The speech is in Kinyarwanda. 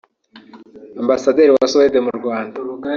Ambasaderi wa Suède mu Rwanda